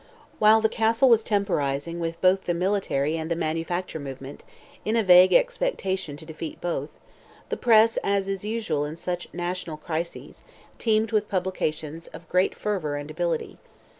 While the Castle was temporizing with both the military and the manufacture movement, in a vague expectation to defeat both, the press, as is usual in such national crises, teemed with publications of great fervour and ability.